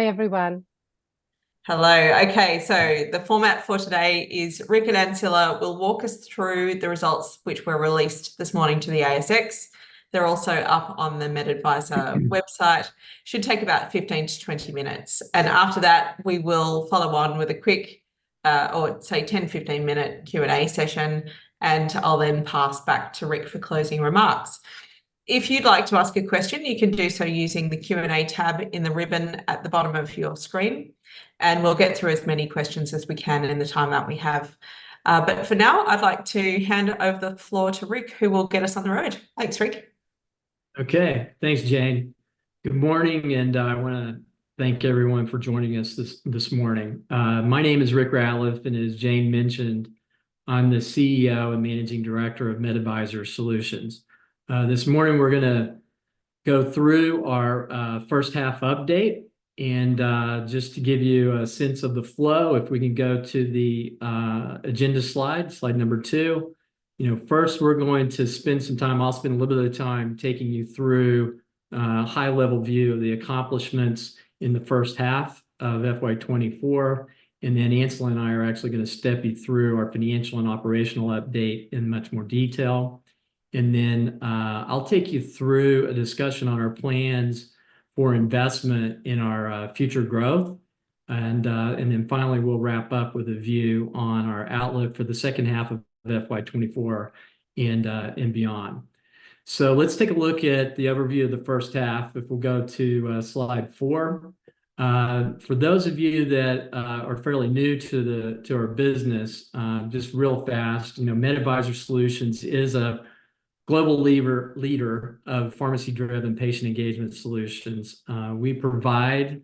Hello. Okay, so the format for today is Rick and Ancila will walk us through the results which were released this morning to the ASX. They're also up on the MedAdvisor website. Should take about 15 minutes-20 minutes. And after that, we will follow on with a quick, or say, 10 minutes-15 minute Q&A session, and I'll then pass back to Rick for closing remarks. If you'd like to ask a question, you can do so using the Q&A tab in the ribbon at the bottom of your screen, and we'll get through as many questions as we can in the time that we have. But, for now, I'd like to hand over the floor to Rick, who will get us on the road. Thanks, Rick. Okay. Thanks, Jane. Good morning, and I want to thank everyone for joining us this morning. My name is Rick Ratliff, and as Jane mentioned, I'm the CEO and Managing Director of MedAdvisor Solutions. This morning we're going to go through our first half update, and just to give you a sense of the flow, if we can go to the agenda slide, slide number 2. First, we're going to spend some time, I'll spend a little bit of time taking you through a high-level view of the accomplishments in the first half of FY 2024. And then, Ancila and I are actually going to step you through our financial and operational update in much more detail. And then, I'll take you through a discussion on our plans for investment in our future growth. And then finally, we'll wrap up with a view on our outlook for the second half of FY 2024 and beyond. So, let's take a look at the overview of the first half. If we'll go to slide 4. For those of you that are fairly new to our business, just real fast, MedAdvisor Solutions is a global leader of pharmacy-driven patient engagement solutions. We provide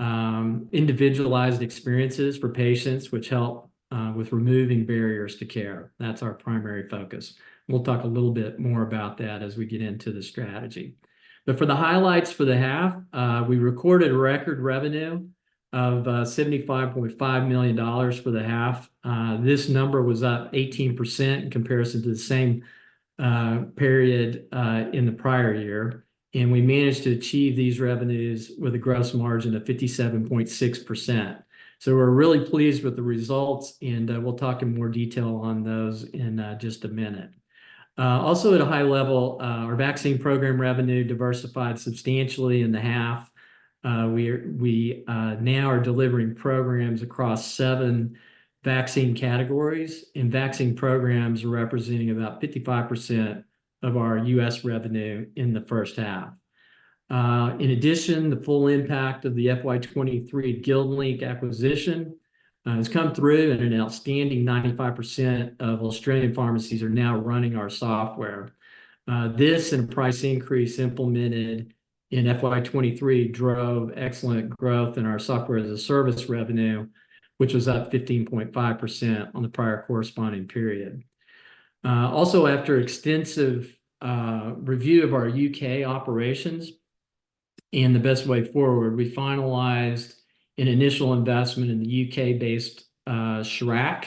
individualized experiences for patients, which help with removing barriers to care. That's our primary focus. We'll talk a little bit more about that as we get into the strategy. But, for the highlights for the half, we recorded record revenue of 75.5 million dollars for the half. This number was up 18% in comparison to the same period in the prior year. And, we managed to achieve these revenues with a gross margin of 57.6%. So, we're really pleased with the results, and we'll talk in more detail on those in just a minute. Also, at a high level, our vaccine program revenue diversified substantially in the half. We now are delivering programs across seven vaccine categories, and vaccine programs are representing about 55% of our U.S. revenue in the first half. In addition, the full impact of the FY 2023 GuildLink acquisition has come through, and an outstanding 95% of Australian pharmacies are now running our software. This and a price increase implemented in FY 2023 drove excellent growth in our software as a service revenue, which was up 15.5% on the prior corresponding period. Also, after extensive review of our U.K. operations and the best way forward, we finalized an initial investment in the U.K.-based Charac.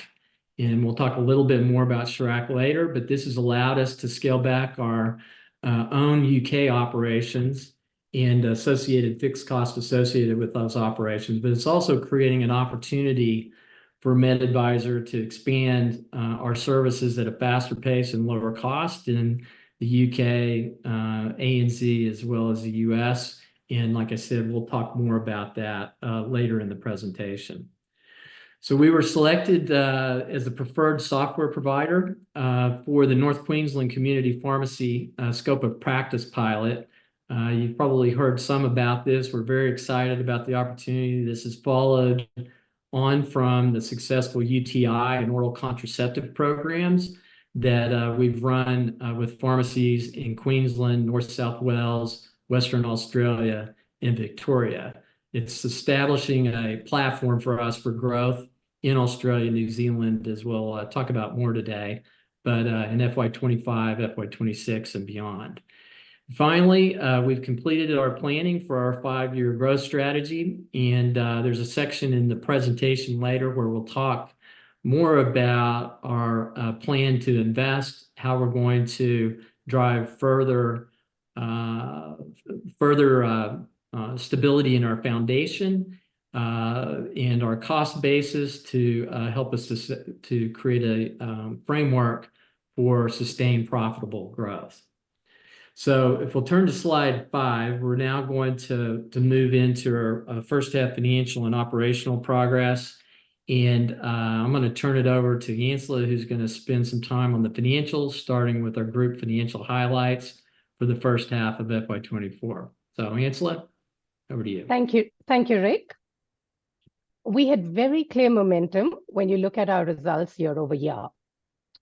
We'll talk a little bit more about Charac later, but this has allowed us to scale back our own U.K. operations and associated fixed costs associated with those operations. It's also creating an opportunity for MedAdvisor to expand our services at a faster pace and lower cost in the U.K., ANZ, as well as the U.S. Like I said, we'll talk more about that later in the presentation. We were selected as the preferred software provider for the North Queensland Community Pharmacy Scope of Practice Pilot. You've probably heard some about this. We're very excited about the opportunity. This has followed on from the successful UTI and oral contraceptive programs that we've run with pharmacies in Queensland, New South Wales, Western Australia, and Victoria. It's establishing a platform for us for growth in Australia and New Zealand, as we'll talk about more today, but in FY 2025, FY 2026, and beyond. Finally, we've completed our planning for our five-year growth strategy. There's a section in the presentation later where we'll talk more about our plan to invest, how we're going to drive further stability in our foundation and our cost basis to help us to create a framework for sustained profitable growth. So, if we'll turn to slide 5, we're now going to move into our first half financial and operational progress. I'm going to turn it over to Ancila, who's going to spend some time on the financials, starting with our group financial highlights for the first half of FY 2024. So, Ancila, over to you. Thank you. Thank you, Rick. We had very clear momentum when you look at our results year-over-year,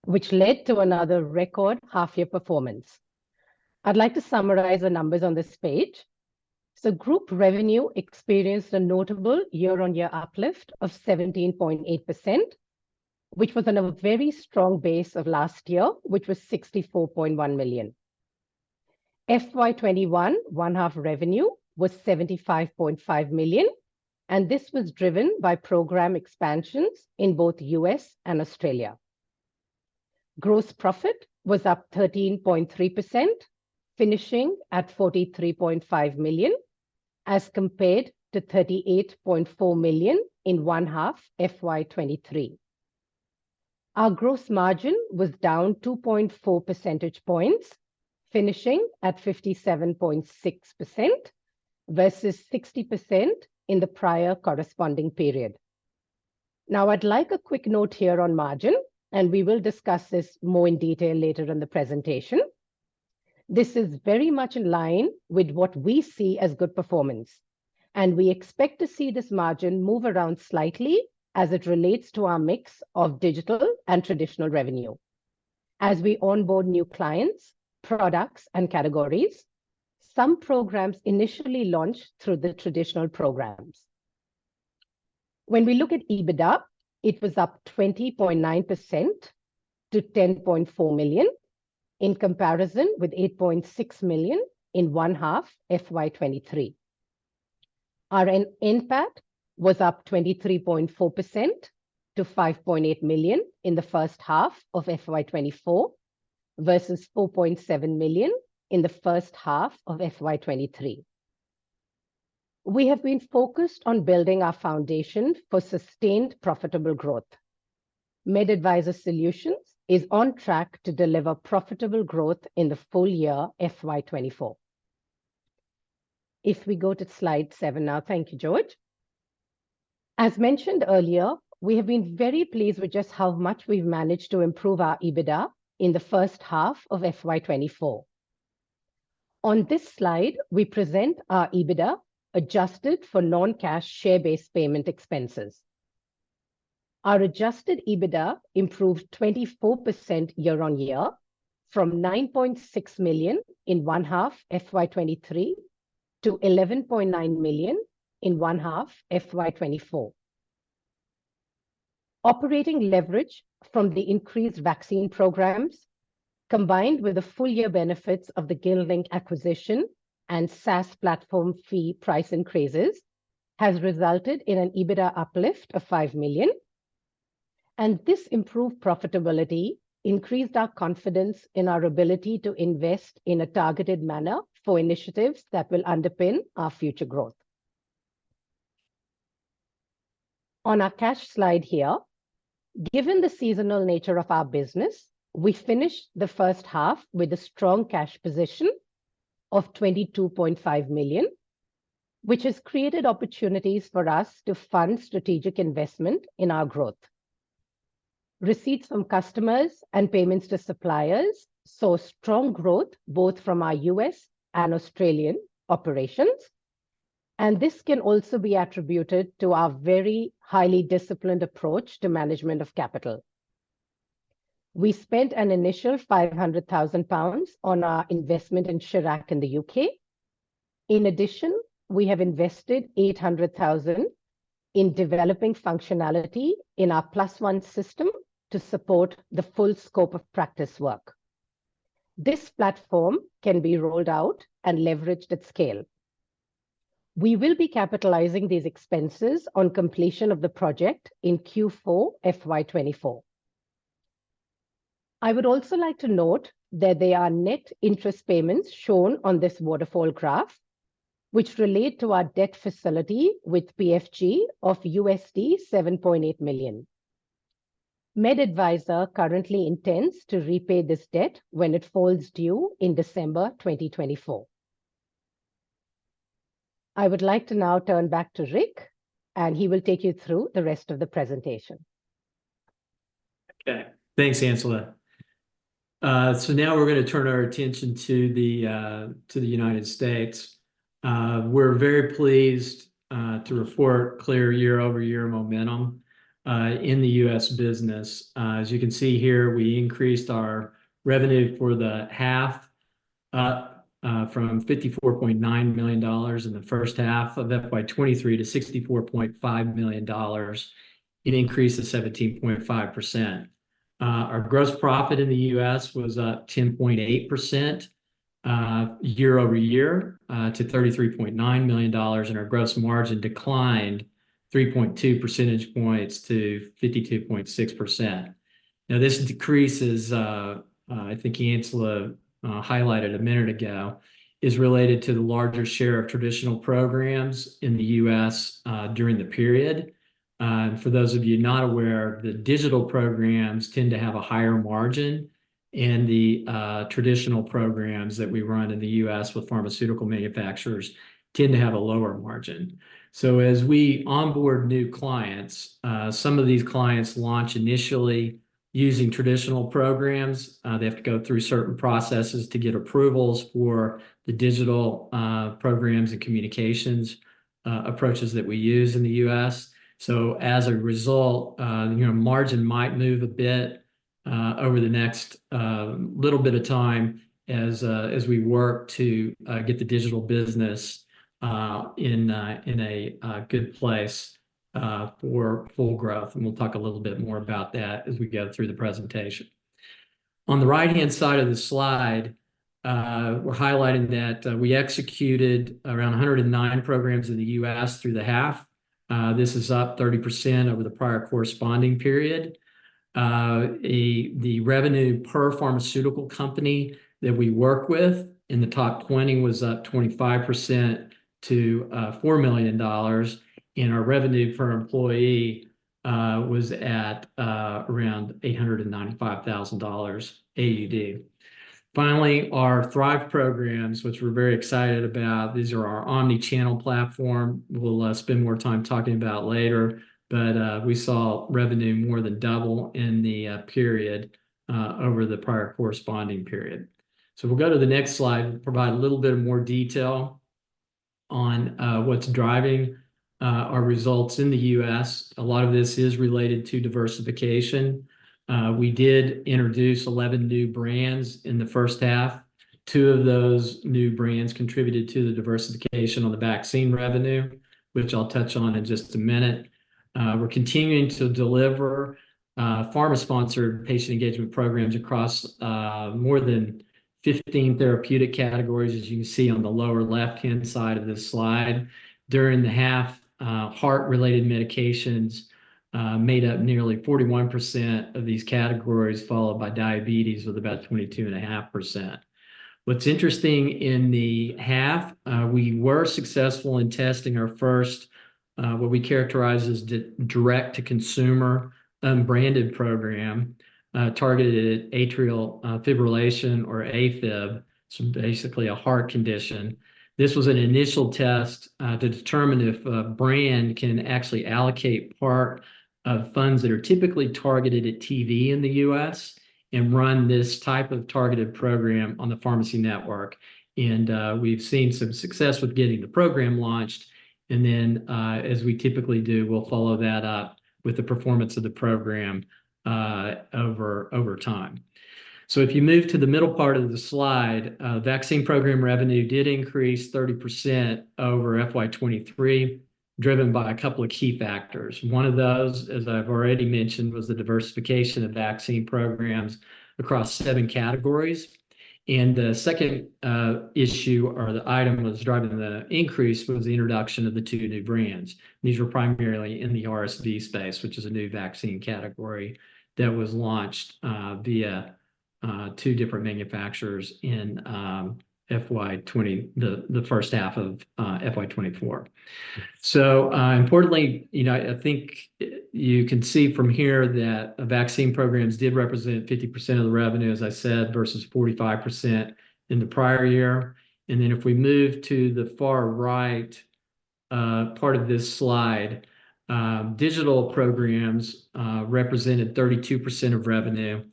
which led to another record half-year performance. I'd like to summarize the numbers on this page. So group revenue experienced a notable year-on-year uplift of 17.8%, which was on a very strong base of last year, which was 64.1 million. FY 2021 one half revenue was 75.5 million, and this was driven by program expansions in both U.S. and Australia. Gross profit was up 13.3%, finishing at 43.5 million as compared to 38.4 million in one half FY 2023. Our gross margin was down 2.4 percentage points, finishing at 57.6% versus 60% in the prior corresponding period. Now, I'd like a quick note here on margin, and we will discuss this more in detail later in the presentation. This is very much in line with what we see as good performance. We expect to see this margin move around slightly as it relates to our mix of digital and traditional revenue. As we onboard new clients, products, and categories, some programs initially launch through the traditional programs. When we look at EBITDA, it was up 20.9% to 10.4 million in comparison with 8.6 million in one half FY 2023. Our NPAT was up 23.4% to 5.8 million in the first half of FY 2024 versus 4.7 million in the first half of FY 2023. We have been focused on building our foundation for sustained profitable growth. MedAdvisor Solutions is on track to deliver profitable growth in the full year FY 2024. If we go to slide 7 now, thank you, George. As mentioned earlier, we have been very pleased with just how much we've managed to improve our EBITDA in the first half of FY 2024. On this slide, we present our EBITDA adjusted for non-cash share-based payment expenses. Our adjusted EBITDA improved 24% year-over-year from 9.6 million in one half FY 2023 to 11.9 million in one half FY 2024. Operating leverage from the increased vaccine programs, combined with the full-year benefits of the GuildLink acquisition and SaaS platform fee price increases, has resulted in an EBITDA uplift of 5 million. This improved profitability increased our confidence in our ability to invest in a targeted manner for initiatives that will underpin our future growth. On our cash slide here, given the seasonal nature of our business, we finished the first half with a strong cash position of 22.5 million, which has created opportunities for us to fund strategic investment in our growth. Receipts from customers and payments to suppliers saw strong growth both from our U.S. and Australian operations. This can also be attributed to our very highly disciplined approach to management of capital. We spent an initial 500,000 pounds on our investment in Charac in the U.K. In addition, we have invested 800,000 in developing functionality in our PlusOne system to support the full scope of practice work. This platform can be rolled out and leveraged at scale. We will be capitalizing these expenses on completion of the project in Q4 FY 2024. I would also like to note that there are net interest payments shown on this waterfall graph, which relate to our debt facility with PFG of $7.8 million. MedAdvisor currently intends to repay this debt when it falls due in December 2024. I would like to now turn back to Rick, and he will take you through the rest of the presentation. Okay. Thanks, Ancila. So, now we're going to turn our attention to the United States. We're very pleased to report clear year-over-year momentum in the U.S. business. As you can see here, we increased our revenue for the half up from $54.9 million in the first half of FY 2023 to $64.5 million. It increased to 17.5%. Our gross profit in the U.S. was up 10.8% year-over-year to $33.9 million, and our gross margin declined 3.2 percentage points to 52.6%. Now, this decrease, as I think Ancila highlighted a minute ago, is related to the larger share of traditional programs in the U.S. during the period. For those of you not aware, the digital programs tend to have a higher margin, and the traditional programs that we run in the U.S. with pharmaceutical manufacturers tend to have a lower margin. So, as we onboard new clients, some of these clients launch initially using traditional programs. They have to go through certain processes to get approvals for the digital programs and communications approaches that we use in the U.S. So as a result, your margin might move a bit over the next little bit of time as we work to get the digital business in a good place for full growth. And, we'll talk a little bit more about that as we go through the presentation. On the right-hand side of the slide, we're highlighting that we executed around 109 programs in the U.S. through the half. This is up 30% over the prior corresponding period. The revenue per pharmaceutical company that we work with in the top 20 was up 25% to $4 million, and our revenue per employee was at around 895,000 AUD. Finally, our THRiV programs, which we're very excited about. These are our omni-channel platform. We'll spend more time talking about later. But, we saw revenue more than double in the period over the prior corresponding period. So, we'll go to the next slide. We'll provide a little bit more detail on what's driving our results in the U.S. A lot of this is related to diversification. We did introduce 11 new brands in the first half. Two of those new brands contributed to the diversification on the vaccine revenue, which I'll touch on in just a minute. We're continuing to deliver pharma-sponsored patient engagement programs across more than 15 therapeutic categories, as you can see on the lower left-hand side of this slide. During the half, heart-related medications made up nearly 41% of these categories, followed by diabetes with about 22.5%. What's interesting in the half, we were successful in testing our first, what we characterize as a direct-to-consumer unbranded program targeted at atrial fibrillation or AFib, so basically a heart condition. This was an initial test to determine if a brand can actually allocate part of funds that are typically targeted at TV in the U.S. and run this type of targeted program on the pharmacy network. We've seen some success with getting the program launched. Then, as we typically do, we'll follow that up with the performance of the program over time. If you move to the middle part of the slide, vaccine program revenue did increase 30% over FY 2023, driven by a couple of key factors. One of those, as I've already mentioned, was the diversification of vaccine programs across seven categories. The second issue or the item that was driving the increase was the introduction of the two new brands. These were primarily in the RSV space, which is a new vaccine category that was launched via two different manufacturers in FY 2024, the first half of FY 2024. So, importantly, you know I think you can see from here that vaccine programs did represent 50% of the revenue, as I said, versus 45% in the prior year. And then, if we move to the far right part of this slide, digital programs represented 32% of revenue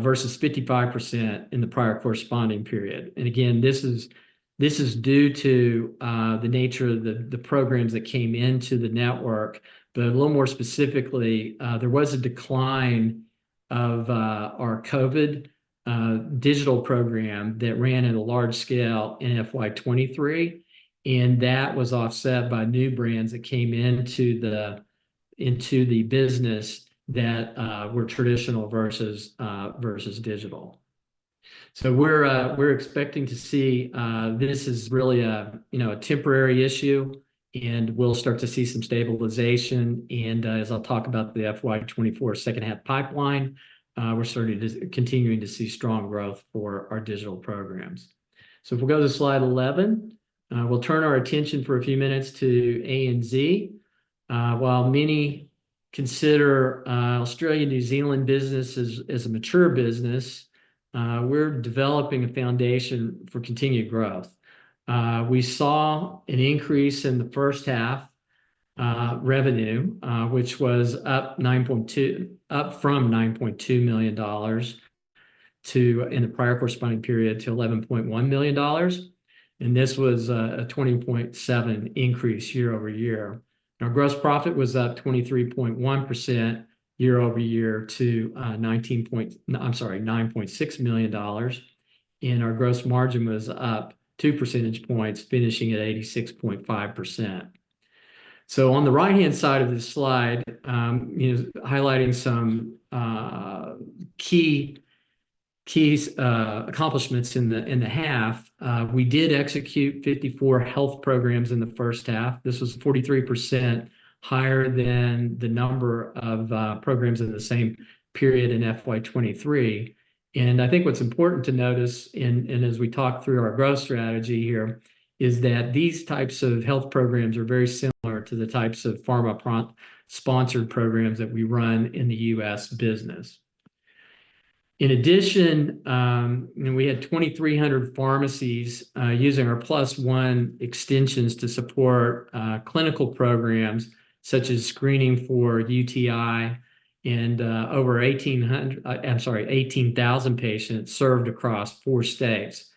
versus 55% in the prior corresponding period. And, again, this is due to the nature of the programs that came into the network. But, a little more specifically, there was a decline of our COVID digital program that ran at a large scale in FY 2023. That was offset by new brands that came into the business that were traditional versus digital. So, we're expecting to see this is really a temporary issue. And, we'll start to see some stabilization. And, as I'll talk about the FY 2024 second half pipeline, we're starting to continue to see strong growth for our digital programs. So if we'll go to slide 11, we'll turn our attention for a few minutes to ANZ. While many consider Australia and New Zealand businesses as a mature business, we're developing a foundation for continued growth. We saw an increase in the first half revenue, which was up from 9.2 million dollars to, in the prior corresponding period, to 11.1 million dollars. And, this was a 20.7% increase year-over-year. And our gross profit was up 23.1% year-over-year to, I'm sorry, 9.6 million dollars. Our gross margin was up 2 percentage points, finishing at 86.5%. On the right-hand side of this slide, highlighting some key accomplishments in the half, we did execute 54 health programs in the first half. This was 43% higher than the number of programs in the same period in FY 2023. I think what's important to notice, and as we talk through our growth strategy here, is that these types of health programs are very similar to the types of pharma-sponsored programs that we run in the U.S. business. In addition, we had 2,300 pharmacies using our PlusOne extensions to support clinical programs such as screening for UTI and over 1,800, I'm sorry, 18,000 patients served across four states.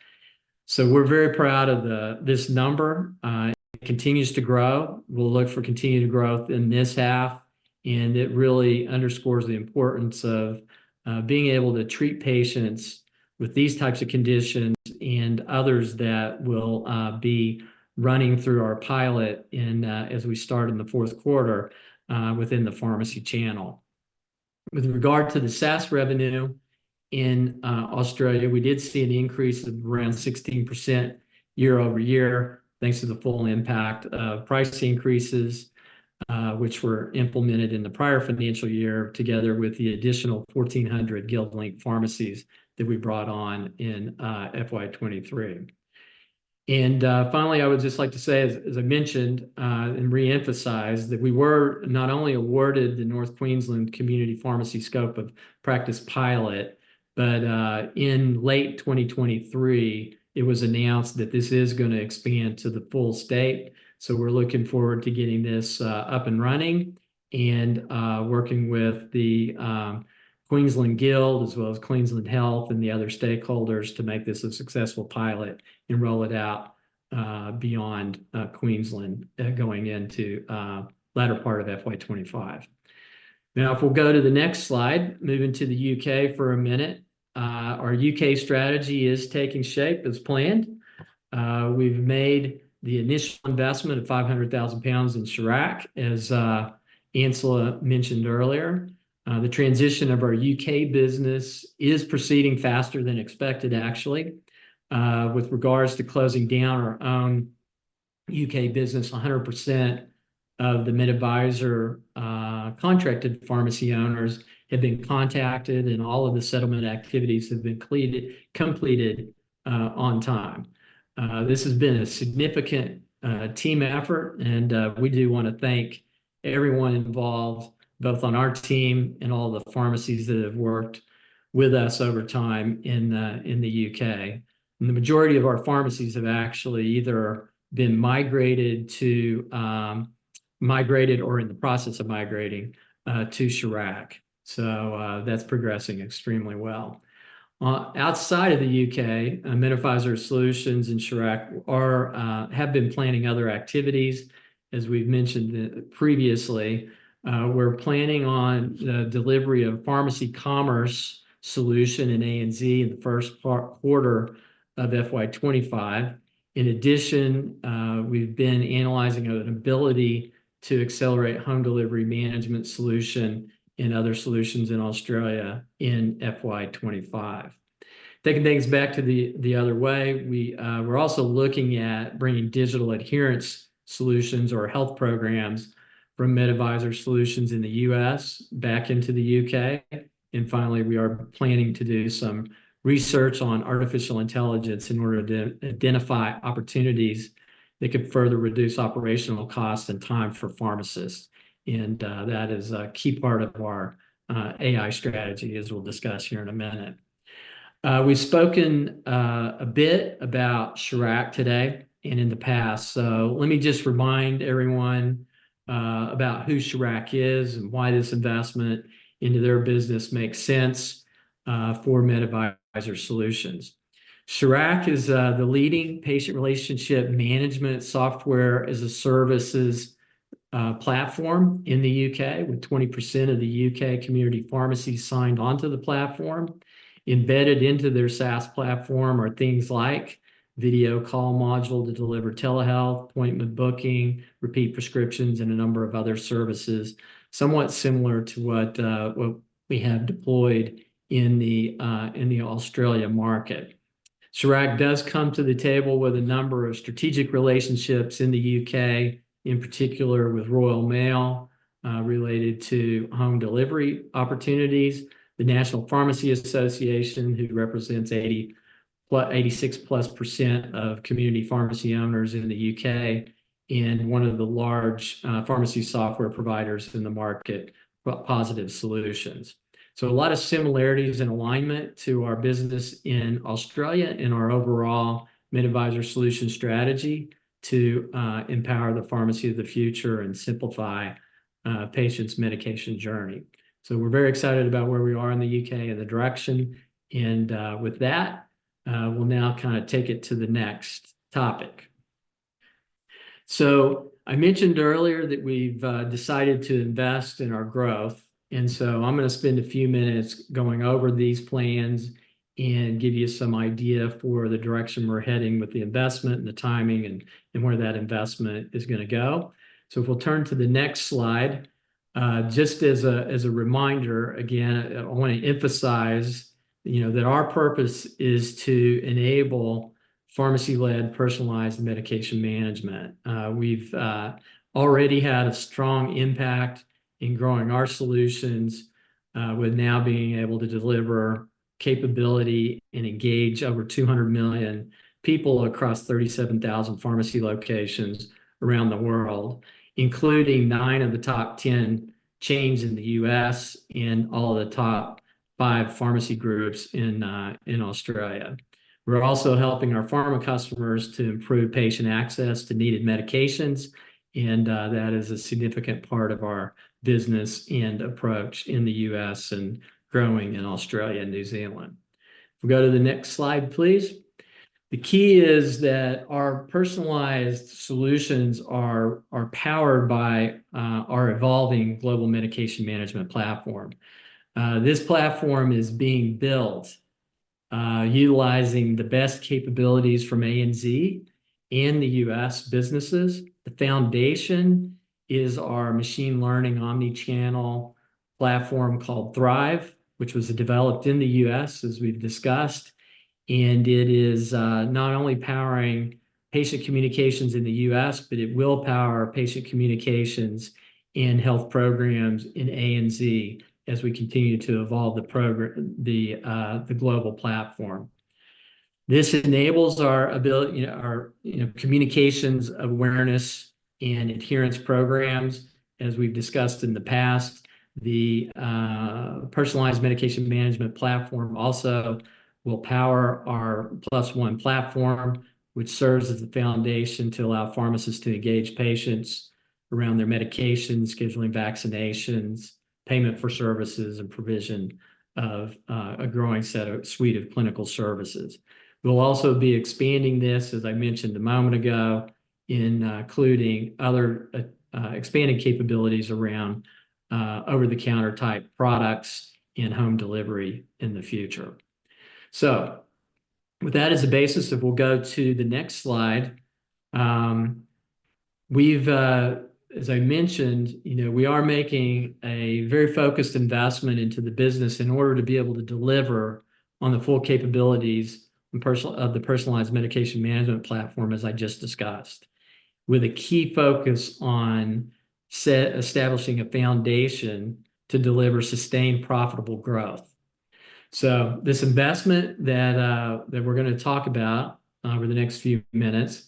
We're very proud of this number. It continues to grow. We'll look for continued growth in this half. And it really underscores the importance of being able to treat patients with these types of conditions and others that will be running through our pilot as we start in the fourth quarter within the pharmacy channel. With regard to the SaaS revenue in Australia, we did see an increase of around 16% year-over-year thanks to the full impact of price increases, which were implemented in the prior financial year together with the additional 1,400 GuildLink pharmacies that we brought on in FY 2023. And finally, I would just like to say, as I mentioned and reemphasize, that we were not only awarded the North Queensland Community Pharmacy Scope of Practice Pilot, but in late 2023, it was announced that this is going to expand to the full state. So, we're looking forward to getting this up and running and working with the Queensland Guild as well as Queensland Health and the other stakeholders to make this a successful pilot and roll it out beyond Queensland going into the latter part of FY 2025. Now, if we'll go to the next slide, moving to the U.K. for a minute, our U.K. strategy is taking shape as planned. We've made the initial investment of 500,000 pounds in Charac, as Ancila mentioned earlier. The transition of our U.K. business is proceeding faster than expected, actually. With regards to closing down our own U.K. business, 100% of the MedAdvisor contracted pharmacy owners have been contacted, and all of the settlement activities have been completed on time. This has been a significant team effort. We do want to thank everyone involved, both on our team and all the pharmacies that have worked with us over time in the U.K. The majority of our pharmacies have actually either been migrated or in the process of migrating to Charac. That's progressing extremely well. Outside of the U.K., MedAdvisor Solutions and Charac have been planning other activities. As we've mentioned previously, we're planning on the delivery of pharmacy commerce solution in ANZ in the first quarter of FY 2025. In addition, we've been analyzing an ability to accelerate home delivery management solution and other solutions in Australia in FY 2025. Taking things back to the other way, we're also looking at bringing digital adherence solutions or health programs from MedAdvisor Solutions in the U.S. back into the U.K. And finally, we are planning to do some research on artificial intelligence in order to identify opportunities that could further reduce operational costs and time for pharmacists. And that is a key part of our AI strategy, as we'll discuss here in a minute. We've spoken a bit about Charac today and in the past. So, let me just remind everyone about who Charac is and why this investment into their business makes sense for MedAdvisor Solutions. Charac is the leading patient relationship management software as a services platform in the U.K., with 20% of the U.K. community pharmacies signed onto the platform. Embedded into their SaaS platform are things like video call module to deliver telehealth, appointment booking, repeat prescriptions, and a number of other services, somewhat similar to what we have deployed in the Australia market. Charac does come to the table with a number of strategic relationships in the U.K., in particular with Royal Mail related to home delivery opportunities, the National Pharmacy Association, who represents 86%+ of community pharmacy owners in the U.K., and one of the large pharmacy software providers in the market, Positive Solutions. So, a lot of similarities and alignment to our business in Australia and our overall MedAdvisor Solutions strategy to empower the pharmacy of the future and simplify patients' medication journey. So, we're very excited about where we are in the U.K. and the direction. And with that, we'll now kind of take it to the next topic. So, I mentioned earlier that we've decided to invest in our growth. So, I'm going to spend a few minutes going over these plans and give you some idea for the direction we're heading with the investment and the timing and where that investment is going to go. So, if we'll turn to the next slide, just as a reminder, again, I want to emphasize that our purpose is to enable pharmacy-led personalized medication management. We've already had a strong impact in growing our solutions with now being able to deliver capability and engage over 200 million people across 37,000 pharmacy locations around the world, including nine of the top 10 chains in the U.S. and all of the top five pharmacy groups in Australia. We're also helping our pharma customers to improve patient access to needed medications. And that is a significant part of our business and approach in the U.S. and growing in Australia and New Zealand. If we go to the next slide, please. The key is that our personalized solutions are powered by our evolving global medication management platform. This platform is being built utilizing the best capabilities from ANZ in the U.S. businesses. The foundation is our machine learning omni-channel platform called THRiV, which was developed in the U.S., as we've discussed. And it is not only powering patient communications in the U.S., but it will power patient communications in health programs in ANZ as we continue to evolve the global platform. This enables our communications awareness and adherence programs. As we've discussed in the past, the personalized medication management platform also will power our PlusOne platform, which serves as the foundation to allow pharmacists to engage patients around their medications, scheduling vaccinations, payment for services, and provision of a growing suite of clinical services. We'll also be expanding this, as I mentioned a moment ago, including other expanding capabilities around over-the-counter type products and home delivery in the future. So, with that as a basis, if we'll go to the next slide. As I mentioned, we are making a very focused investment into the business in order to be able to deliver on the full capabilities of the personalized medication management platform, as I just discussed, with a key focus on establishing a foundation to deliver sustained profitable growth. So, this investment that we're going to talk about over the next few minutes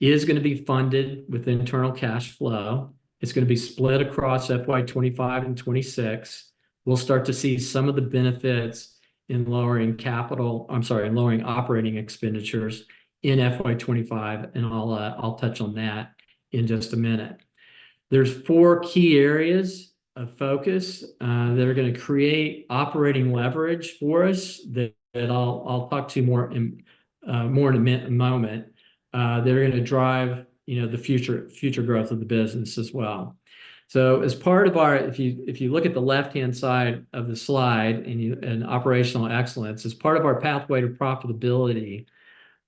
is going to be funded with internal cash flow. It's going to be split across FY 2025 and FY 2026. We'll start to see some of the benefits in lowering capital - I'm sorry, in lowering operating expenditures in FY 2025. And I'll touch on that in just a minute. There's four key areas of focus that are going to create operating leverage for us that I'll talk to more in a moment. They're going to drive the future growth of the business as well. So, as part of our, if you look at the left-hand side of the slide and operational excellence, as part of our Pathway to Profitability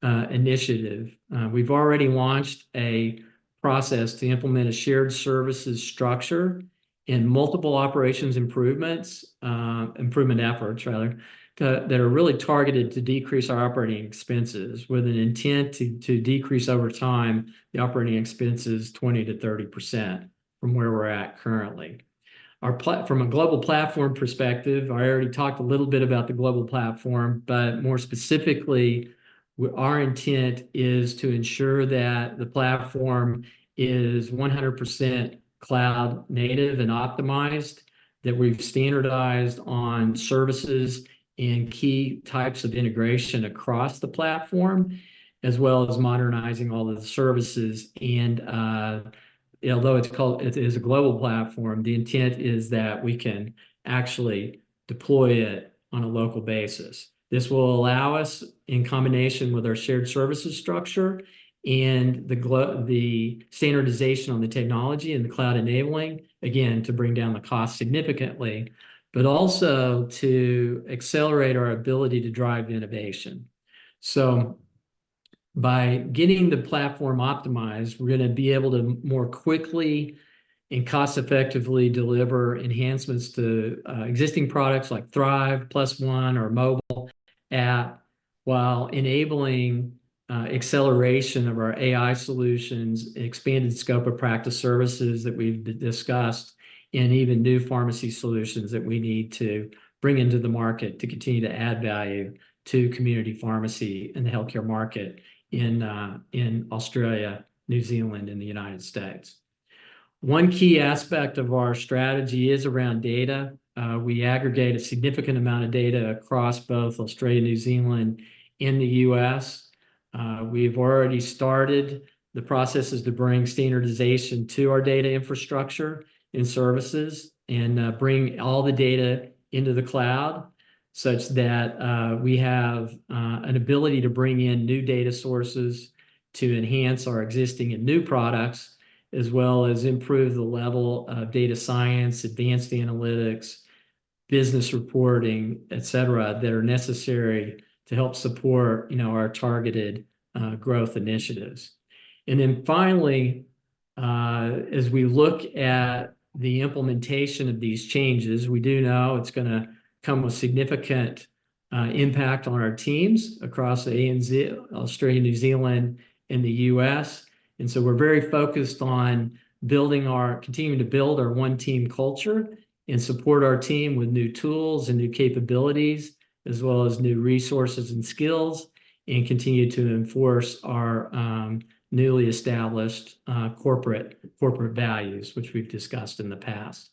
initiative, we've already launched a process to implement a shared services structure and multiple operations improvements, improvement efforts, rather, that are really targeted to decrease our operating expenses with an intent to decrease over time the operating expenses 20%-30% from where we're at currently. From a global platform perspective, I already talked a little bit about the global platform, but more specifically, our intent is to ensure that the platform is 100% cloud-native and optimized, that we've standardized on services and key types of integration across the platform, as well as modernizing all of the services. Although it's called, it is a global platform, the intent is that we can actually deploy it on a local basis. This will allow us, in combination with our shared services structure and the standardization on the technology and the cloud enabling, again, to bring down the cost significantly, but also to accelerate our ability to drive innovation. By getting the platform optimized, we're going to be able to more quickly and cost-effectively deliver enhancements to existing products like THRiV, PlusOne, or mobile app while enabling acceleration of our AI solutions, expanded scope of practice services that we've discussed, and even new pharmacy solutions that we need to bring into the market to continue to add value to community pharmacy in the healthcare market in Australia, New Zealand, and the United States. One key aspect of our strategy is around data. We aggregate a significant amount of data across both Australia, New Zealand, and the U.S. We've already started the processes to bring standardization to our data infrastructure and services and bring all the data into the cloud such that we have an ability to bring in new data sources to enhance our existing and new products, as well as improve the level of data science, advanced analytics, business reporting, et cetera, that are necessary to help support our targeted growth initiatives. Then finally, as we look at the implementation of these changes, we do know it's going to come with significant impact on our teams across Australia, New Zealand, and the U.S. So, we're very focused on building our, continuing to build our one-team culture and support our team with new tools and new capabilities, as well as new resources and skills, and continue to enforce our newly established corporate values, which we've discussed in the past.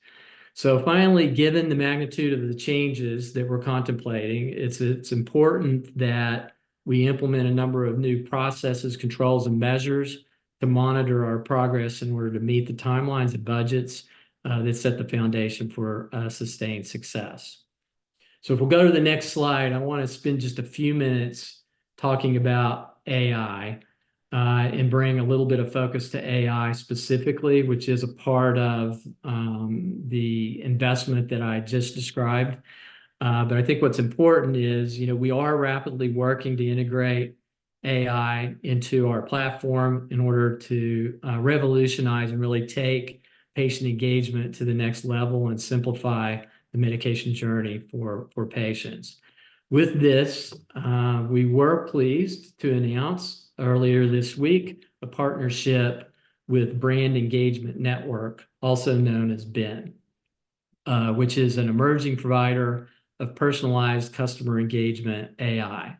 So, finally, given the magnitude of the changes that we're contemplating, it's important that we implement a number of new processes, controls, and measures to monitor our progress in order to meet the timelines and budgets that set the foundation for sustained success. So, if we'll go to the next slide, I want to spend just a few minutes talking about AI and bring a little bit of focus to AI specifically, which is a part of the investment that I just described. But, I think what's important is we are rapidly working to integrate AI into our platform in order to revolutionize and really take patient engagement to the next level and simplify the medication journey for patients. With this, we were pleased to announce earlier this week a partnership with Brand Engagement Network, also known as BEN, which is an emerging provider of personalized customer engagement AI.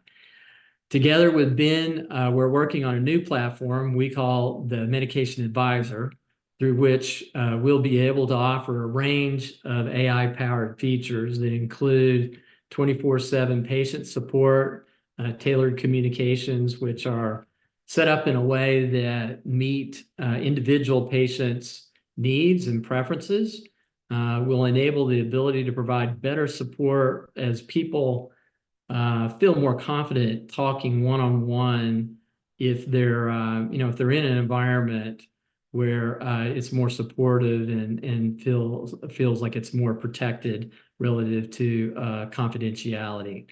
Together with BEN, we're working on a new platform we call the Medication Advisor, through which we'll be able to offer a range of AI-powered features that include 24/7 patient support, tailored communications, which are set up in a way that meet individual patients' needs and preferences, will enable the ability to provide better support as people feel more confident talking one-on-one if they're in an environment where it's more supportive and feels like it's more protected relative to confidentiality.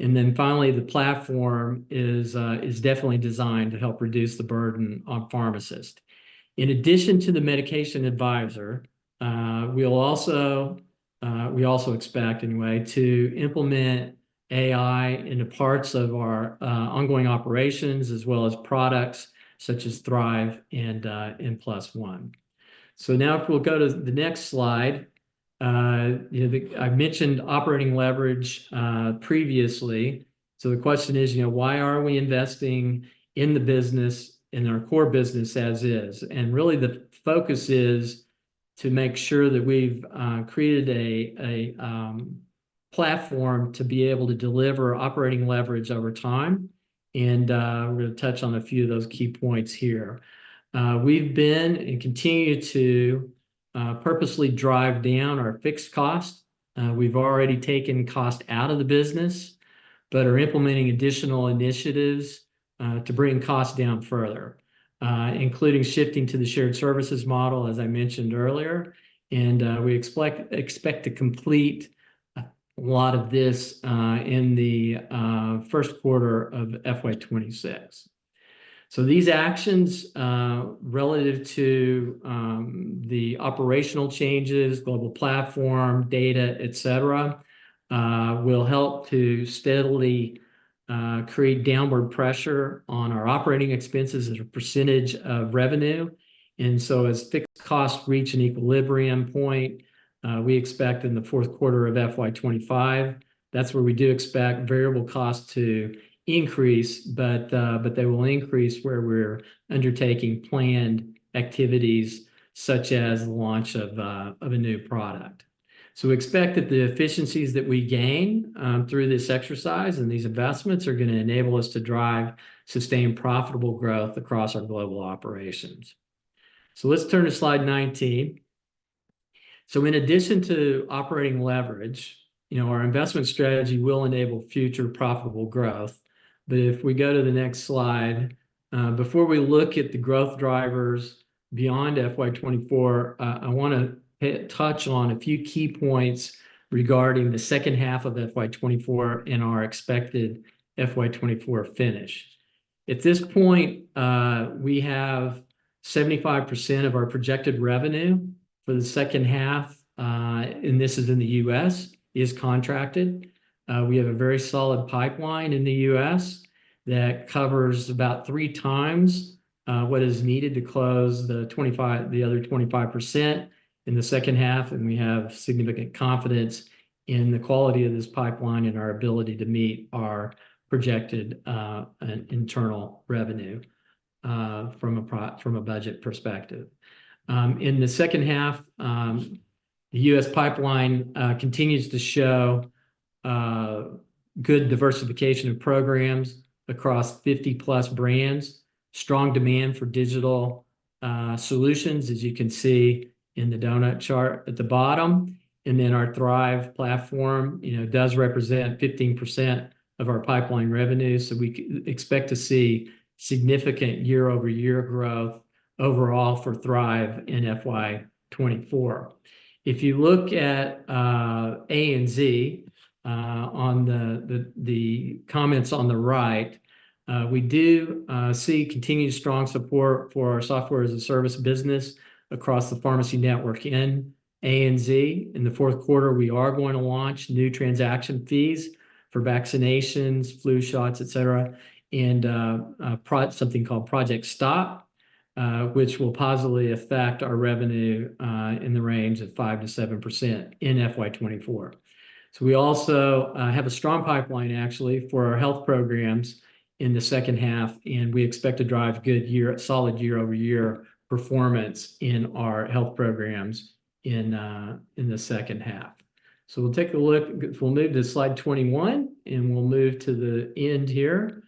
And then finally, the platform is definitely designed to help reduce the burden on pharmacists. In addition to the Medication Advisor, we also expect, anyway, to implement AI into parts of our ongoing operations, as well as products such as THRiV and PlusOne. So, now if we'll go to the next slide, I mentioned operating leverage previously. The question is, why are we investing in the business, in our core business, as is? Really, the focus is to make sure that we've created a platform to be able to deliver operating leverage over time. We're going to touch on a few of those key points here. We've been and continue to purposely drive down our fixed cost. We've already taken cost out of the business, but are implementing additional initiatives to bring cost down further, including shifting to the shared services model, as I mentioned earlier. We expect to complete a lot of this in the first quarter of FY 2026. These actions relative to the operational changes, global platform, data, etc., will help to steadily create downward pressure on our operating expenses as a percentage of revenue. So, as fixed costs reach an equilibrium point, we expect in the fourth quarter of FY 2025, that's where we do expect variable costs to increase, but they will increase where we're undertaking planned activities such as the launch of a new product. So, we expect that the efficiencies that we gain through this exercise and these investments are going to enable us to drive sustained profitable growth across our global operations. So, let's turn to slide 19. So, in addition to operating leverage, our investment strategy will enable future profitable growth. But, if we go to the next slide, before we look at the growth drivers beyond FY 2024, I want to touch on a few key points regarding the second half of FY 2024 and our expected FY 2024 finish. At this point, we have 75% of our projected revenue for the second half, and this is in the U.S., is contracted. We have a very solid pipeline in the U.S. that covers about three times what is needed to close the other 25% in the second half. We have significant confidence in the quality of this pipeline and our ability to meet our projected internal revenue from a budget perspective. In the second half, the U.S. pipeline continues to show good diversification of programs across 50+ brands, strong demand for digital solutions, as you can see in the donut chart at the bottom. Our THRiV platform does represent 15% of our pipeline revenue. We expect to see significant year-over-year growth overall for THRiV in FY 2024. If you look at ANZ, on the comments on the right, we do see continued strong support for our software as a service business across the pharmacy network in ANZ. In the fourth quarter, we are going to launch new transaction fees for vaccinations, flu shots, etc., and something called Project STOP, which will positively affect our revenue in the range of 5%-7% in FY 2024. So, we also have a strong pipeline, actually, for our health programs in the second half. And we expect to drive good, solid year-over-year performance in our health programs in the second half. So, we'll take a look. If we'll move to slide 21, and we'll move to the end here.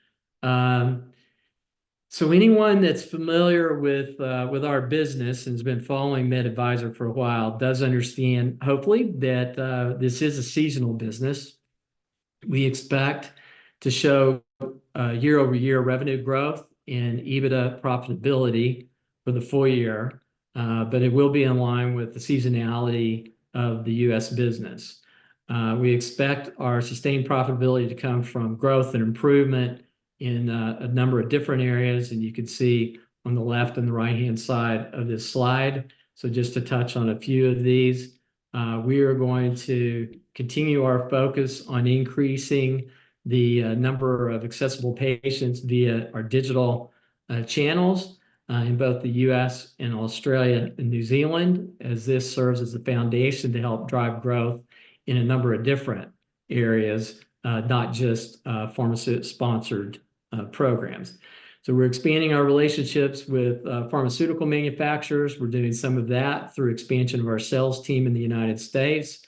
So, anyone that's familiar with our business and has been following MedAdvisor for a while does understand, hopefully, that this is a seasonal business. We expect to show year-over-year revenue growth and EBITDA profitability for the full year, but it will be in line with the seasonality of the U.S. business. We expect our sustained profitability to come from growth and improvement in a number of different areas. And you can see on the left and the right-hand side of this slide, so just to touch on a few of these, we are going to continue our focus on increasing the number of accessible patients via our digital channels in both the U.S. and Australia and New Zealand, as this serves as a foundation to help drive growth in a number of different areas, not just pharmaceutical-sponsored programs. So we're expanding our relationships with pharmaceutical manufacturers. We're doing some of that through expansion of our sales team in the United States.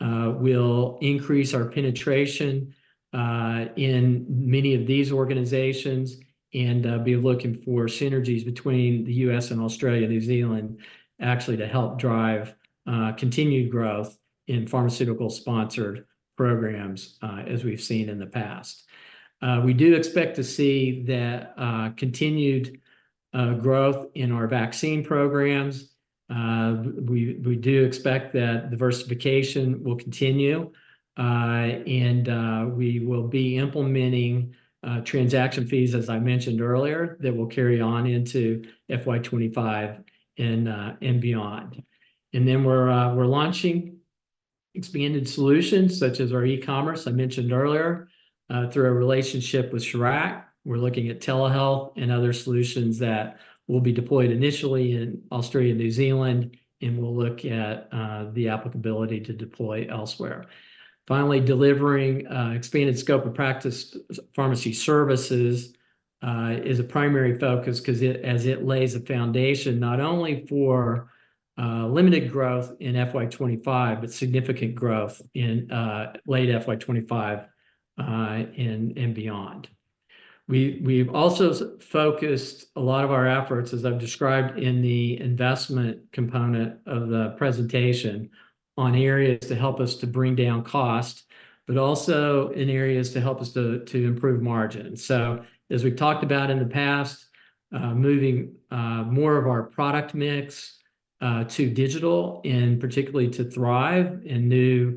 We'll increase our penetration in many of these organizations and be looking for synergies between the U.S. and Australia and New Zealand, actually, to help drive continued growth in pharmaceutical-sponsored programs, as we've seen in the past. We do expect to see continued growth in our vaccine programs. We do expect that diversification will continue. And we will be implementing transaction fees, as I mentioned earlier, that will carry on into FY 2025 and beyond. And then we're launching expanded solutions such as our e-commerce, I mentioned earlier, through our relationship with Charac. We're looking at telehealth and other solutions that will be deployed initially in Australia and New Zealand. And we'll look at the applicability to deploy elsewhere. Finally, delivering expanded scope of practice pharmacy services is a primary focus because it lays a foundation not only for limited growth in FY 2025, but significant growth in late FY 2025 and beyond. We've also focused a lot of our efforts, as I've described in the investment component of the presentation, on areas to help us to bring down cost, but also in areas to help us to improve margins. So, as we've talked about in the past, moving more of our product mix to digital and particularly to THRiV and new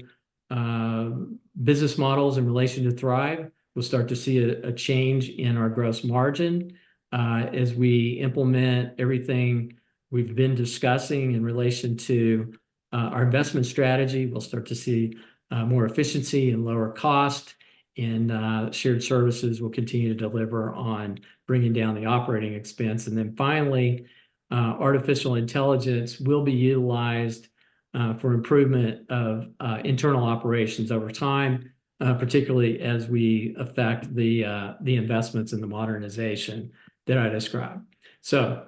business models in relation to THRiV, we'll start to see a change in our gross margin. As we implement everything we've been discussing in relation to our investment strategy, we'll start to see more efficiency and lower cost. And shared services will continue to deliver on bringing down the operating expense. And then finally, artificial intelligence will be utilized for improvement of internal operations over time, particularly as we affect the investments in the modernization that I described. So,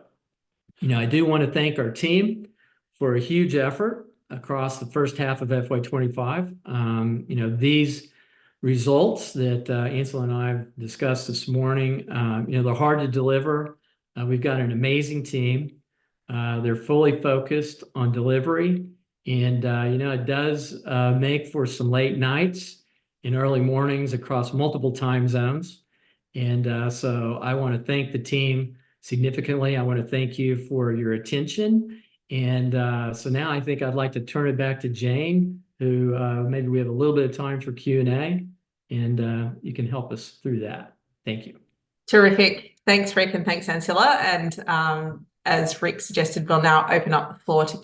I do want to thank our team for a huge effort across the first half of FY 2025. These results that Ancila and I have discussed this morning, they're hard to deliver. We've got an amazing team. They're fully focused on delivery. It does make for some late nights and early mornings across multiple time zones. So ,I want to thank the team significantly. I want to thank you for your attention. So, now I think I'd like to turn it back to Jane, who maybe we have a little bit of time for Q&A, and you can help us through that. Thank you. Terrific. Thanks, Rick, and thanks, Ancila. As Rick suggested, we'll now open up the floor to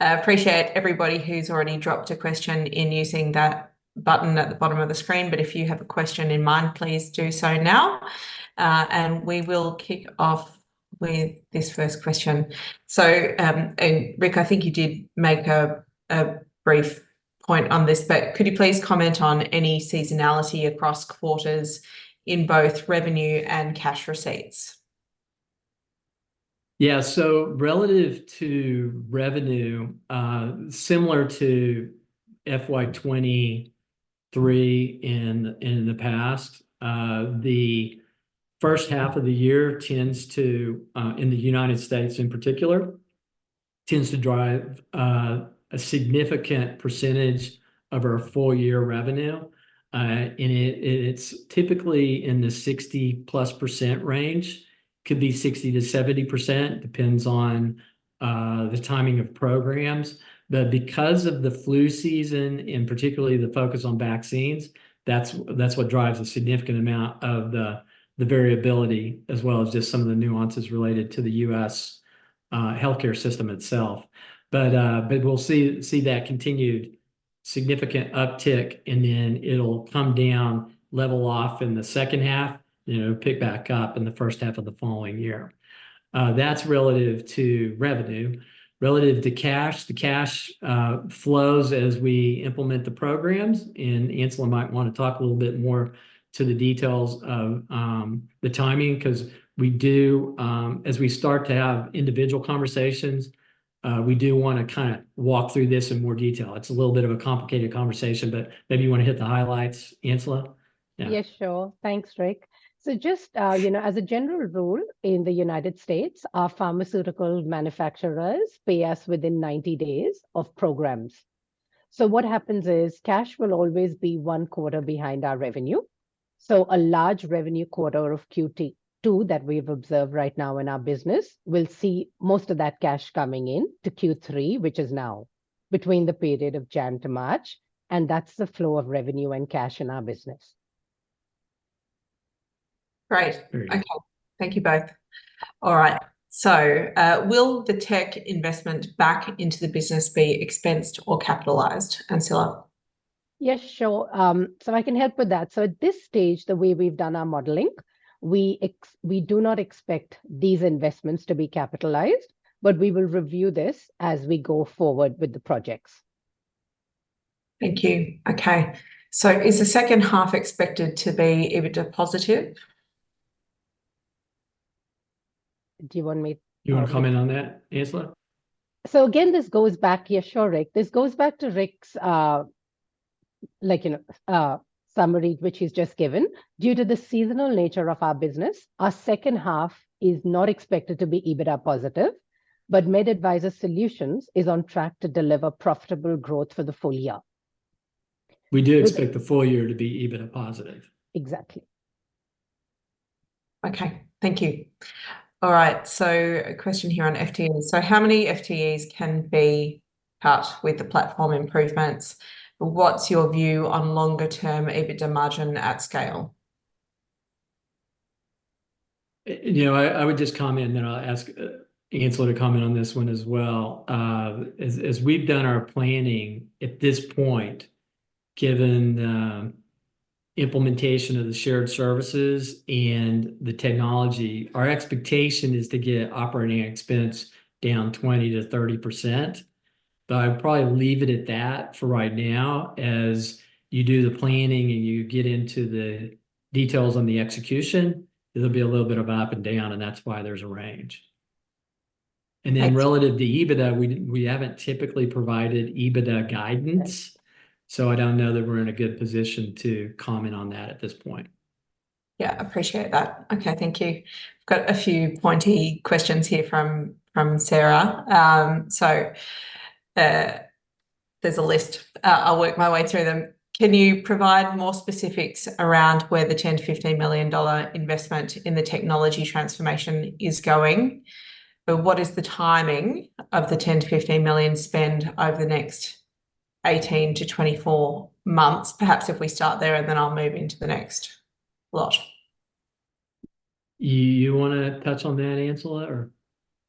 Q&A. Appreciate everybody who's already dropped a question in using that button at the bottom of the screen. But if you have a question in mind, please do so now. We will kick off with this first question. Rick, I think you did make a brief point on this, but could you please comment on any seasonality across quarters in both revenue and cash receipts? Yeah. So, relative to revenue, similar to FY 2023 in the past, the first half of the year tends to, in the United States in particular, tends to drive a significant percentage of our full-year revenue. And it's typically in the 60+% range. Could be 60%-70%, depends on the timing of programs. But because of the flu season and particularly the focus on vaccines, that's what drives a significant amount of the variability, as well as just some of the nuances related to the U.S. healthcare system itself. But we'll see that continued significant uptick, and then it'll come down, level off in the second half, pick back up in the first half of the following year. That's relative to revenue. Relative to cash, the cash flows as we implement the programs. And Ancila might want to talk a little bit more to the details of the timing because we do, as we start to have individual conversations, we do want to kind of walk through this in more detail. It's a little bit of a complicated conversation, but maybe you want to hit the highlights, Ancila? Yeah. Yes, sure. Thanks, Rick. So just as a general rule, in the United States, our pharmaceutical manufacturers pay us within 90 days of programs. So what happens is cash will always be one quarter behind our revenue. So a large revenue quarter of Q2 that we've observed right now in our business will see most of that cash coming in to Q3, which is now, between the period of January to March. And that's the flow of revenue and cash in our business. Right. Okay. Thank you both. All right. So will the tech investment back into the business be expensed or capitalized, Ancila? Yes, sure. So I can help with that. So, at this stage, the way we've done our modeling, we do not expect these investments to be capitalized. But, we will review this as we go forward with the projects. Thank you. Okay. So, is the second half expected to be EBITDA positive? Do you want me to? You want to comment on that, Ancila? So, again, this goes back, yes, sure, Rick. This goes back to Rick's summary, which he's just given. Due to the seasonal nature of our business, our second half is not expected to be EBITDA positive. But MedAdvisor Solutions is on track to deliver profitable growth for the full year. We do expect the full year to be EBITDA positive. Exactly. Okay. Thank you. All right. So, a question here on FTE. So how many FTEs can be part with the platform improvements? What's your view on longer-term EBITDA margin at scale? I would just comment, and then I'll ask Ancila to comment on this one as well. As we've done our planning at this point, given the implementation of the shared services and the technology, our expectation is to get operating expense down 20%-30%. But I'd probably leave it at that for right now. As you do the planning and you get into the details on the execution, there'll be a little bit of up and down, and that's why there's a range. Then relative to EBITDA, we haven't typically provided EBITDA guidance. So I don't know that we're in a good position to comment on that at this point. Yeah. Appreciate that. Okay. Thank you. I've got a few pointy questions here from Sarah. So there's a list. I'll work my way through them. Can you provide more specifics around where the 10 million-15 million dollar investment in the technology transformation is going? What is the timing of the 10 million-15 million spend over the next 18 months-24 months? Perhaps if we start there, and then I'll move into the next lot. You want to touch on that, Ancila, or?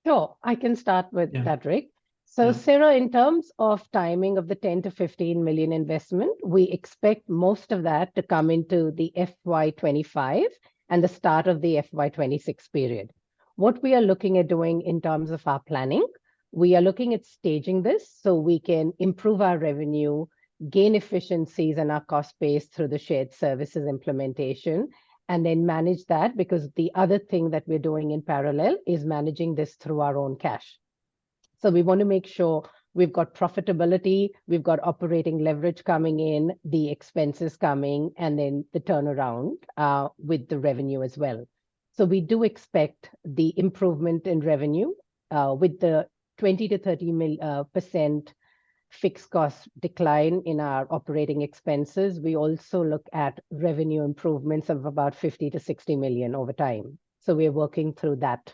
Sure. I can start with that, Rick. So, Sarah, in terms of timing of the 10 million-15 million investment, we expect most of that to come into the FY 2025 and the start of the FY 2026 period. What we are looking at doing in terms of our planning, we are looking at staging this so we can improve our revenue, gain efficiencies, and our cost base through the shared services implementation, and then manage that because the other thing that we're doing in parallel is managing this through our own cash. So, we want to make sure we've got profitability, we've got operating leverage coming in, the expenses coming, and then the turnaround with the revenue as well. So, we do expect the improvement in revenue. With the 20%-30% fixed cost decline in our operating expenses, we also look at revenue improvements of about 50 million-60 million over time. So, we are working through that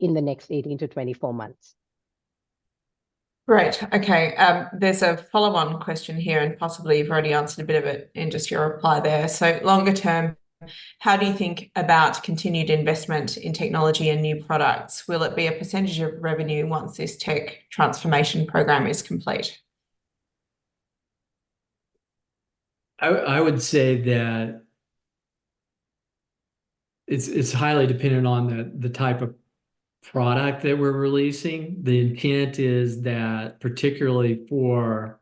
in the next 18-24 months. Great. Okay. There's a follow-on question here, and possibly you've already answered a bit of it in just your reply there. So, longer term, how do you think about continued investment in technology and new products? Will it be a percentage of revenue once this tech transformation program is complete? I would say that it's highly dependent on the type of product that we're releasing. The intent is that, particularly for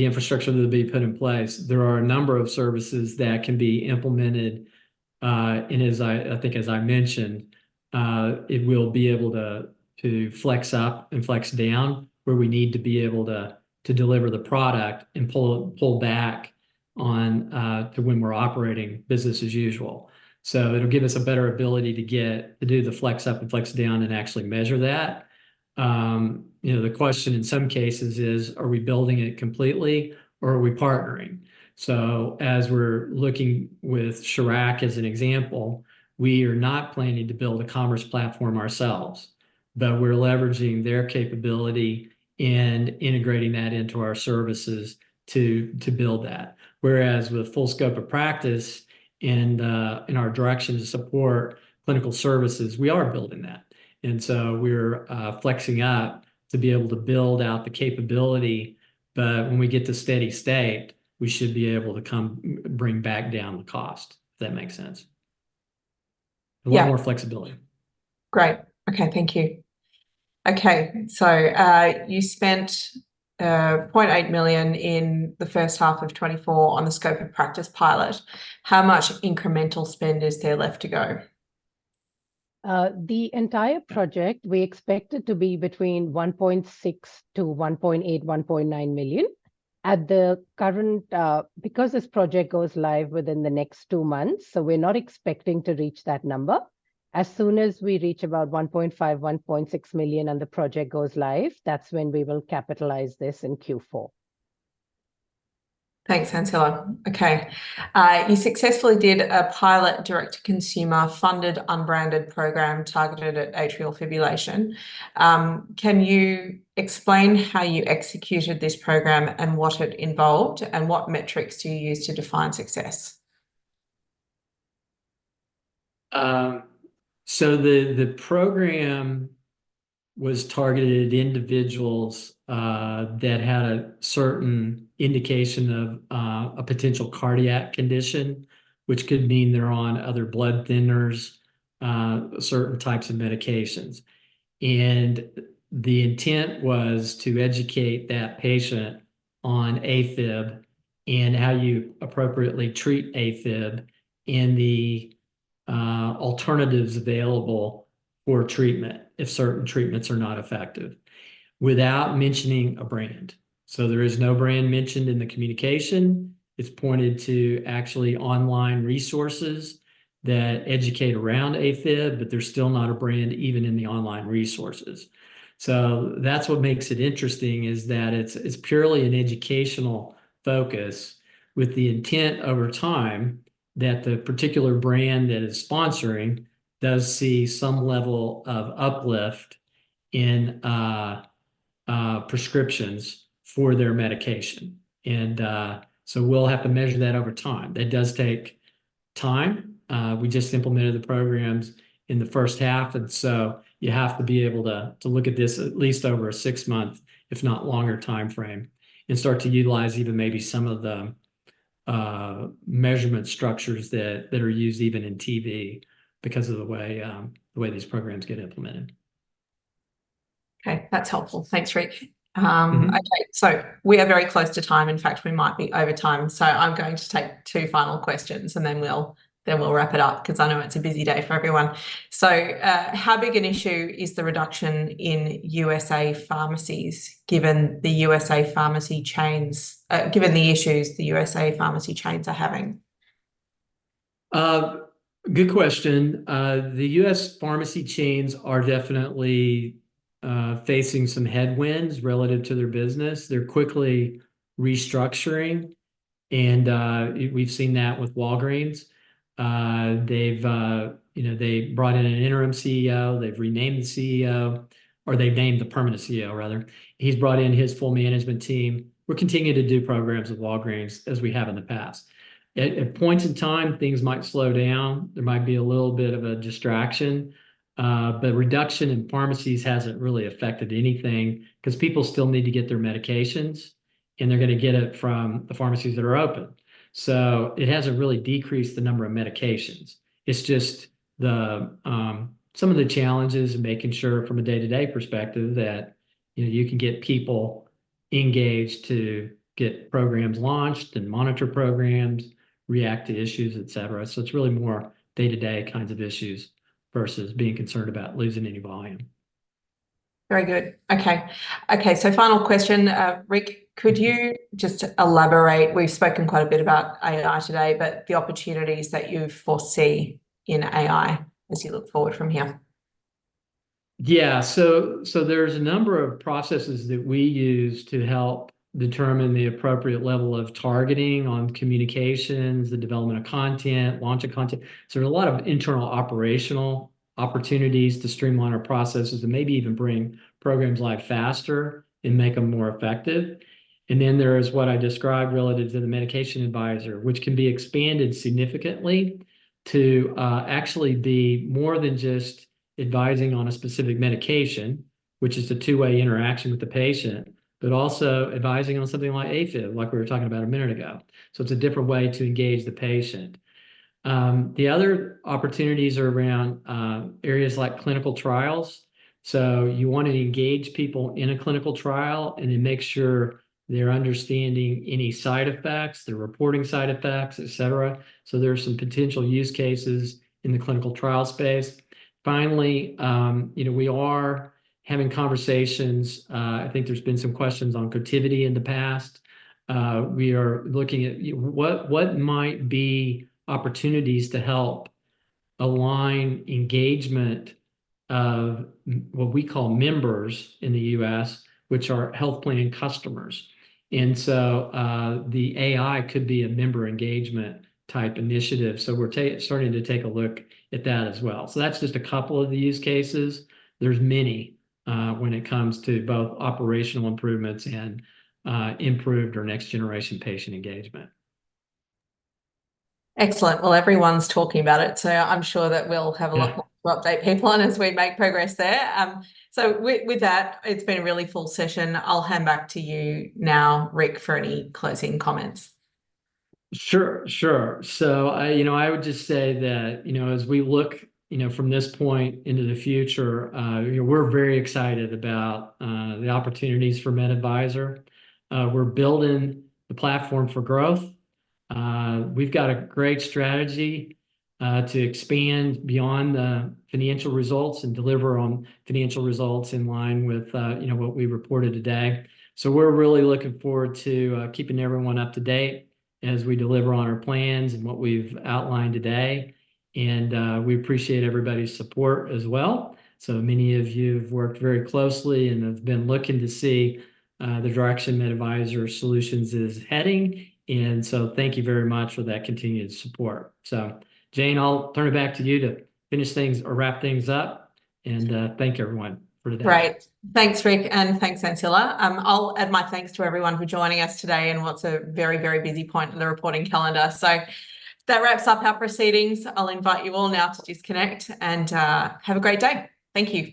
the infrastructure that will be put in place, there are a number of services that can be implemented. And as I think, as I mentioned, it will be able to flex up and flex down where we need to be able to deliver the product and pull back to when we're operating business as usual. So, it'll give us a better ability to do the flex up and flex down and actually measure that. The question in some cases is, are we building it completely, or are we partnering? So as we're looking with Charac as an example, we are not planning to build a commerce platform ourselves. But we're leveraging their capability and integrating that into our services to build that. Whereas with full scope of practice and our direction to support clinical services, we are building that. And so we're flexing up to be able to build out the capability. But when we get to steady state, we should be able to bring back down the cost, if that makes sense. A lot more flexibility. Great. Okay. Thank you. Okay. So you spent 0.8 million in the first half of 2024 on the scope of practice pilot. How much incremental spend is there left to go? The entire project, we expect it to be between 1.6 million-1.8 million, 1.9 million. Because this project goes live within the next two months, so we're not expecting to reach that number. As soon as we reach about 1.5 million, 1.6 million and the project goes live, that's when we will capitalize this in Q4. Thanks, Ancila. Okay. You successfully did a pilot direct-to-consumer funded unbranded program targeted at atrial fibrillation. Can you explain how you executed this program and what it involved, and what metrics do you use to define success? So, the program was targeted at individuals that had a certain indication of a potential cardiac condition, which could mean they're on other blood thinners, certain types of medications. The intent was to educate that patient on AFib and how you appropriately treat AFib and the alternatives available for treatment if certain treatments are not effective, without mentioning a brand. So, there is no brand mentioned in the communication. It's pointed to actually online resources that educate around AFib, but there's still not a brand even in the online resources. So, that's what makes it interesting, is that it's purely an educational focus with the intent over time that the particular brand that is sponsoring does see some level of uplift in prescriptions for their medication. So, we'll have to measure that over time. That does take time. We just implemented the programs in the first half. So you have to be able to look at this at least over a six-month, if not longer timeframe, and start to utilize even maybe some of the measurement structures that are used even in TV because of the way these programs get implemented. Okay. That's helpful. Thanks, Rick. Okay. So, we are very close to time. In fact, we might be over time. So, I'm going to take two final questions, and then we'll wrap it up because I know it's a busy day for everyone. So, how big an issue is the reduction in U.S.A. pharmacies given the U.S.A. pharmacy chains, given the issues the U.S.A. pharmacy chains are having? Good question. The U.S. pharmacy chains are definitely facing some headwinds relative to their business. They're quickly restructuring. And we've seen that with Walgreens. They brought in an interim CEO. They've renamed the CEO, or they've named the permanent CEO, rather. He's brought in his full management team. We're continuing to do programs with Walgreens as we have in the past. At points in time, things might slow down. There might be a little bit of a distraction. But, reduction in pharmacies hasn't really affected anything because people still need to get their medications, and they're going to get it from the pharmacies that are open. So, it hasn't really decreased the number of medications. It's just some of the challenges in making sure, from a day-to-day perspective, that you can get people engaged to get programs launched and monitor programs, react to issues, etc. So, it's really more day-to-day kinds of issues versus being concerned about losing any volume. Very good. Okay. Okay. So, final question, Rick. Could you just elaborate? We've spoken quite a bit about AI today, but the opportunities that you foresee in AI as you look forward from here? Yeah. So, there's a number of processes that we use to help determine the appropriate level of targeting on communications, the development of content, launch of content. So, there are a lot of internal operational opportunities to streamline our processes and maybe even bring programs live faster and make them more effective. And then, there is what I described relative to the Medication Advisor, which can be expanded significantly to actually be more than just advising on a specific medication, which is a two-way interaction with the patient, but also advising on something like AFib, like we were talking about a minute ago. So, it's a different way to engage the patient. The other opportunities are around areas like clinical trials. So, you want to engage people in a clinical trial and then make sure they're understanding any side effects, they're reporting side effects, et cetera. So, there are some potential use cases in the clinical trial space. Finally, we are having conversations. I think there's been some questions on Cotiviti in the past. We are looking at what might be opportunities to help align engagement of what we call members in the U.S., which are health plan customers. And so, the AI could be a member engagement type initiative. So, we're starting to take a look at that as well. So, that's just a couple of the use cases. There's many when it comes to both operational improvements and improved or next-generation patient engagement. Excellent. Well, everyone's talking about it. So, I'm sure that we'll have a lot more to update people on as we make progress there. So, with that, it's been a really full session. I'll hand back to you now, Rick, for any closing comments. Sure. Sure. So, I would just say that as we look from this point into the future, we're very excited about the opportunities for MedAdvisor. We're building the platform for growth. We've got a great strategy to expand beyond the financial results and deliver on financial results in line with what we reported today. So, we're really looking forward to keeping everyone up to date as we deliver on our plans and what we've outlined today. And we appreciate everybody's support as well. So many of you have worked very closely and have been looking to see the direction MedAdvisor Solutions is heading. And so thank you very much for that continued support. So, Jane, I'll turn it back to you to finish things or wrap things up. Thank everyone for today. Right. Thanks, Rick, and thanks, Ancila. I'll add my thanks to everyone who's joining us today and what's a very, very busy point in the reporting calendar. That wraps up our proceedings. I'll invite you all now to disconnect and have a great day. Thank you.